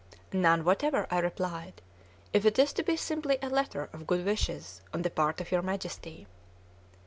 "None whatever," I replied, "if it is to be simply a letter of good wishes on the part of your Majesty."